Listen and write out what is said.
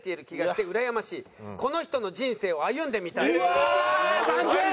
うわーっサンキュー！